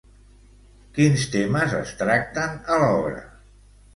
Quins temes es tracten a l'obra?